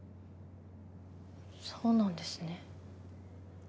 そうなんですね。